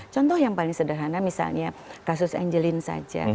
contoh yang paling sederhana misalnya kasus angeline saja